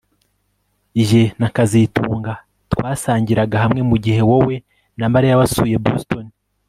Jye na kazitunga twasangiraga hamwe mugihe wowe na Mariya wasuye Boston